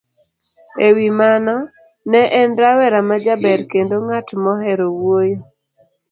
E wi mano, ne en rawera ma jaber kendo ng'at mohero wuoyo